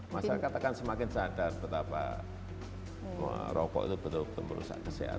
masyarakat akan semakin sadar betapa merokok itu betul betul merusak kesehatan